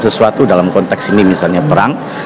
sesuatu dalam konteks ini misalnya perang